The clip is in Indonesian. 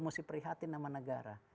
mesti prihatin sama negara